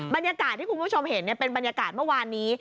บรรยากาศที่คุณผู้ชมเห็นเป็นบรรยากาศเมื่อวานนี้